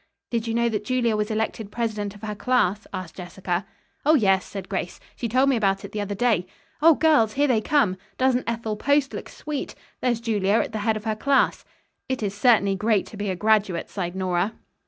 "Did you know that Julia was elected president of her class?" asked Jessica. "Oh, yes," said Grace, "she told me about it the other day. Oh, girls, here they come! Doesn't Ethel Post look sweet? There's Julia at the head of her class." "It is certainly great to be a graduate," sighed Nora.